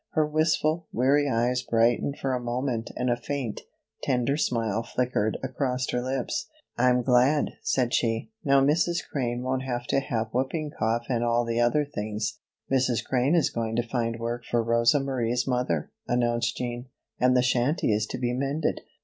Her wistful, weary eyes brightened for a moment and a faint, tender smile flickered across her lips. "I'm glad," said she. "Now Mrs. Crane won't have to have whooping cough and all the other things." "Mrs. Crane is going to find work for Rosa Marie's mother," announced Jean, "and the shanty is to be mended."